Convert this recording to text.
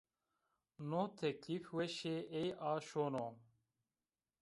No teklîf weşê ey a şono